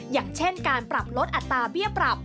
อย่างเช่นการปรับลดอัตราเบี้ยปรับ